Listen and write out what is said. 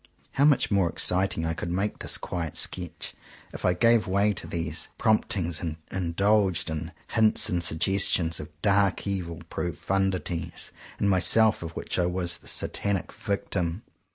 How much more exciting I could make this quiet sketch, if I gave way to these prompt ings and indulged in hints and suggestions of dark evil profundities in myself of which I was the Satanic victim!